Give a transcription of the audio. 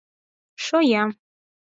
— Шоя!